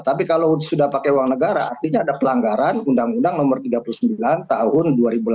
tapi kalau sudah pakai uang negara artinya ada pelanggaran undang undang nomor tiga puluh sembilan tahun dua ribu delapan belas